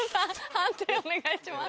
判定お願いします。